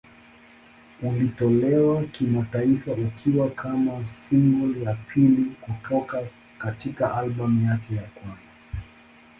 Ulitolewa kimataifa ukiwa kama single ya pili kutoka katika albamu yake ya kwanza.